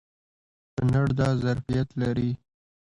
کونړ دا ظرفیت لري.